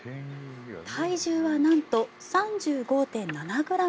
体重はなんと３５．７ｇ。